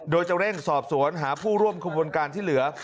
โดยจะเร่งสอบสวนหาผู้ร่วมขบวนการที่เหลือ